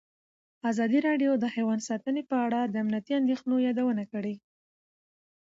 ازادي راډیو د حیوان ساتنه په اړه د امنیتي اندېښنو یادونه کړې.